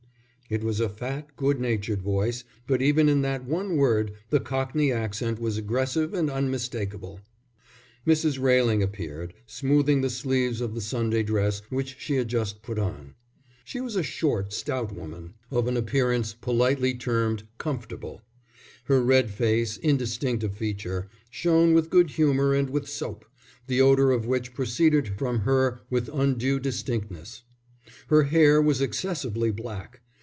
It was a fat, good natured voice, but even in that one word the cockney accent was aggressive and unmistakable. Mrs. Railing appeared, smoothing the sleeves of the Sunday dress which she had just put on. She was a short, stout woman, of an appearance politely termed comfortable; her red face, indistinct of feature, shone with good humour and with soap, the odour of which proceeded from her with undue distinctness; her hair was excessively black.